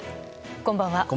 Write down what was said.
こんばんは。